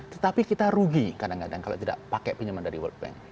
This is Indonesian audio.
tetapi kita rugi kadang kadang kalau tidak pakai pinjaman dari world bank